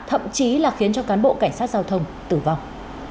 thậm chí là khiến cho cán bộ cảnh sát giao thông tử vong